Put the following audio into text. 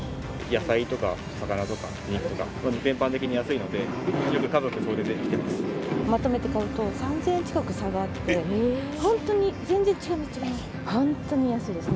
野菜とか魚とか肉とか、全般的に安いので、まとめて買うと３０００円近く差があって、本当に全然違います、違います。